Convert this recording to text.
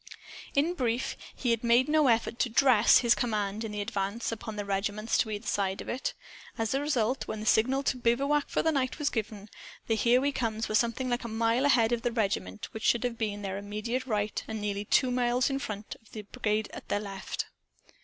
In brief, he had made no effort to "dress" his command, in the advance, upon the regiments to either side of it. As a result, when the signal to bivouac for the night was given, the "Here We Comes" were something like a mile ahead of the regiment which should have been at their immediate right, and nearly two miles in front of the brigade at their left.